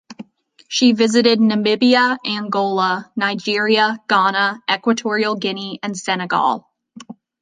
She visited Namibia, Angola, Nigeria, Ghana, Equatorial Guinea and Senegal.